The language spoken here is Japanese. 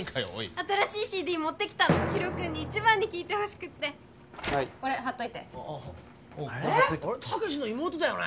新しいＣＤ持ってきたのヒロ君に一番に聴いてほしくってはいこれ貼っといてあれッタケシの妹だよね？